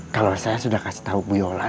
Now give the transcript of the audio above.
kalau saya sudah kasih tahu bu yola